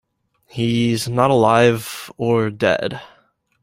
He's not alive or dead.